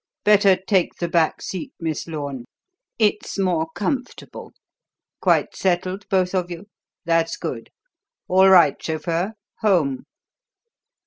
"Better take the back seat, Miss Lorne; it's more comfortable. Quite settled, both of you? That's good. All right, chauffeur Home!"